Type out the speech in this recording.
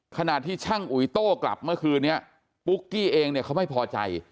ขณะที่ช่างอุ๋ยโต้กลับเมื่อคืนนี้ปุ๊กกี้เองเนี่ยเขาไม่พอใจ